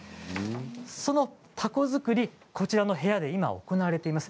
その凧作り、こちらの部屋で今行われています。